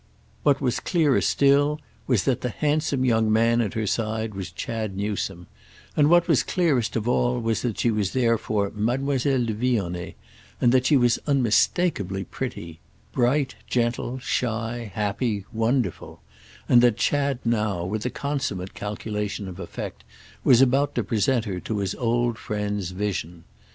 What was clearer still was that the handsome young man at her side was Chad Newsome, and what was clearest of all was that she was therefore Mademoiselle de Vionnet, that she was unmistakeably pretty—bright gentle shy happy wonderful—and that Chad now, with a consummate calculation of effect, was about to present her to his old friend's vision.